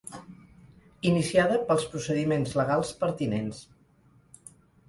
Iniciada pels procediments legals pertinents.